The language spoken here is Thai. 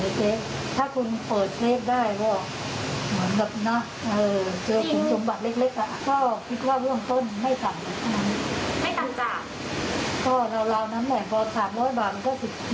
เงินสดเรื่อยก็คงมากกว่า๑๐ล้านบาท